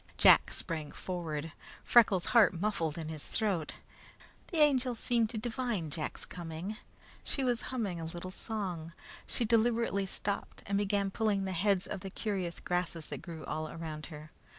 Jack sprang forward. Freckles' heart muffled in his throat. The Angel seemed to divine Jack's coming. She was humming a little song. She deliberately stopped and began pulling the heads of the curious grasses that grew all around her.